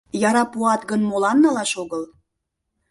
Яра пуат гын, молан налаш огыл?